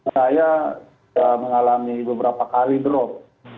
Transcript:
saya mengalami beberapa kali drop